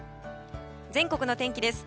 全国の天気です。